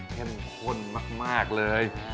เข้มข้นมากเลย